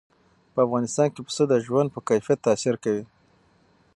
په افغانستان کې پسه د ژوند په کیفیت تاثیر کوي.